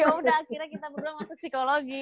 yaudah akhirnya kita berdua masuk psikologi